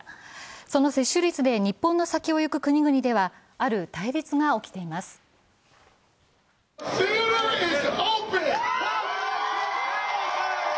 その接種率で日本の先を行く国々では、ある対立が起きています。